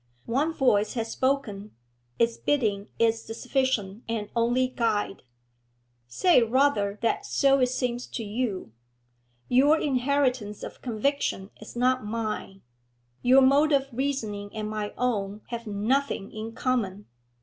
One voice has spoken; its bidding is the sufficient and only guide.' 'Say rather that so it seems to you. Your inheritance of conviction is not mine; your mode of reasoning and my own have nothing in common.